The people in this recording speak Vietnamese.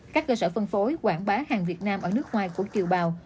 các cơ sở phân phối quảng bá hàng việt nam ở nước ngoài của kiều bào